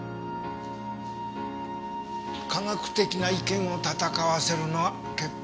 科学的な意見を戦わせるのは結構結構。